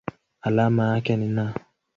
Alama yake ni Na.